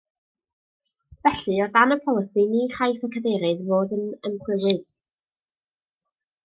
Felly o dan y polisi ni chaiff y cadeirydd fod yn ymchwilydd